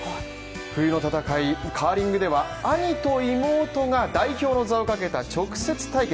冬の戦い、カーリングでは兄と妹が代表の座をかけた、直接対決。